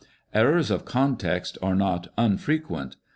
Errors of context are not unfrequent.